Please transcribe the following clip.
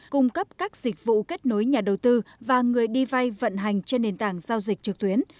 cung cấp các dịch vụ kết nối nhà đầu tư và người đi vay vận hành trên nền tảng giao dịch trực tuyến